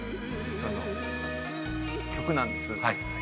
その曲なんです。